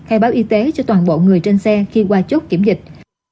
khai báo y tế cho toàn bộ người trên xe khi qua chốt kiểm dịch